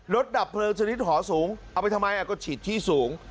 ดับเพลิงชนิดหอสูงเอาไปทำไมก็ฉีดที่สูง